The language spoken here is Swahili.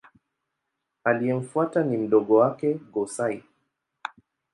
Aliyemfuata ni mdogo wake Go-Sai.